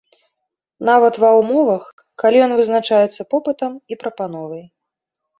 Нават ва ўмовах, калі ён вызначаецца попытам і прапановай.